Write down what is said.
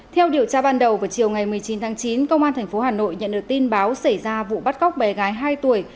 theo điều tra ban đầu vào chiều ngày một mươi chín tháng chín công an tp hà nội nhận được tin báo xảy ra vụ bắt cóc bé gái hai tuổi